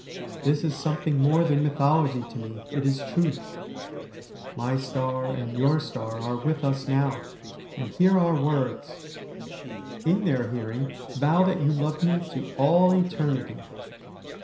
This is something more than mythology to me, it is truth. My star and your star are with us now, and hear our words. In their hearing vow that you love me to all eternity.'